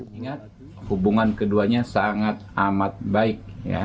mengingat hubungan keduanya sangat amat baik